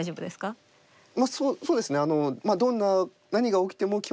あっそうですね。